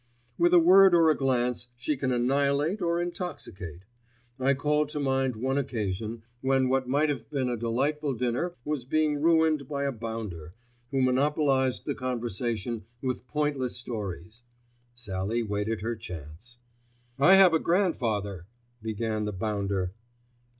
With a word or a glance she can annihilate or intoxicate. I call to mind one occasion, when what might have been a delightful dinner was being ruined by a bounder, who monopolised the conversation with pointless stories. Sallie waited her chance. "I have a grandfather," began the bounder.